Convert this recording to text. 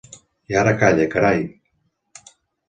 I ara calla, carai!